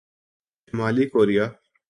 شمالی کوریا